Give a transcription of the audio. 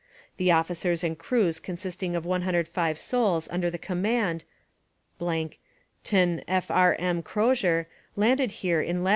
The officers and crews consisting of 105 souls under the command ... tain F. R. M. Crozier landed here in Lat.